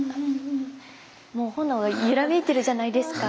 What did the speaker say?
もう炎が揺らめいてるじゃないですか。